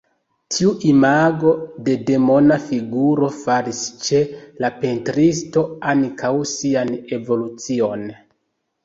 Tiu imago de Demona figuro faris ĉe la pentristo ankaŭ sian evolucion.